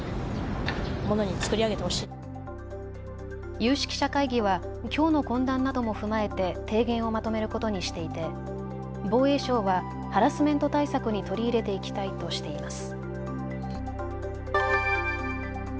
有識者会議はきょうの懇談なども踏まえて提言をまとめることにしていて防衛省はハラスメント対策に取り入れていきたいとしています。